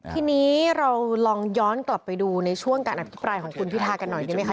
ทีนี้เราลองย้อนกลับไปดูในช่วงการอภิปรายของคุณพิทากันหน่อยดีไหมคะ